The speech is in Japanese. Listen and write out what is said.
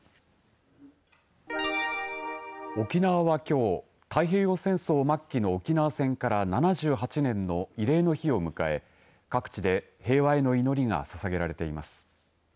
沖縄はきょう太平洋戦争末期の沖縄戦から７８年の慰霊の日を迎え各地で平和への祈りがささげられています。